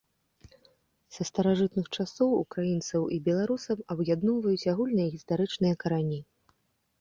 Са старажытных часоў ўкраінцаў і беларусаў аб'ядноўвае агульныя гістарычныя карані.